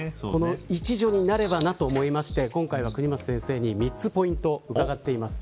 一助になればなと思いまして今回は國松先生に３つポイントを伺っています。